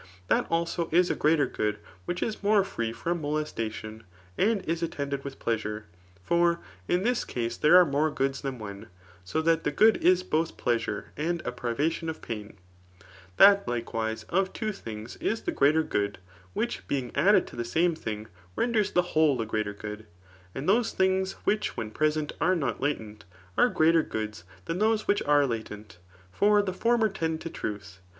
That also is a greater good which is more free from molesta tion, and is attended with pleasure ; for in this case there * At Thrasjinachus in the Republic of Plato/ C^AP. VIII. BHSTQ&IGU 47 ace more goods than one ; so ihdt the good is bodi pleasure and a priyaiioa of pain. That, likewise^ of two: things is the greater good, which being added to the same thing renders the whole a greater good. . And those things which when present are not latent, are gi^ter goods than those which are latent ; for the former tend to truth.